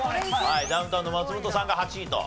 ダウンタウンの松本さんが８位と。